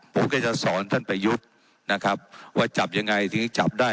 ผมก็จะสอนท่านประยุทธ์นะครับว่าจับยังไงถึงจับได้